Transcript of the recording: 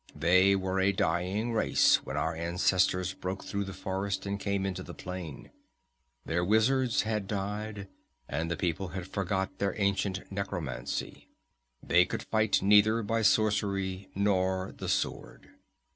They were a dying race when our ancestors broke through the forest and came into the plain. Their wizards had died, and the people had forgot their ancient necromancy. They could fight neither by sorcery nor the sword.